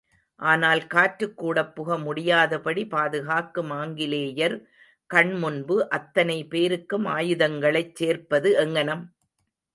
ஆனால் காற்றுக்கூடப் புகமுடியாதபடி பாதுகாக்கும் ஆங்கிலேயர் கண்முன்பு அத்தனை பேருக்கும் ஆயுதங்களைச் சேர்ப்பது எங்ஙனம்?